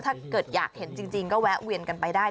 ถ้าเกิดอยากเห็นจริงก็แวะเวียนกันไปได้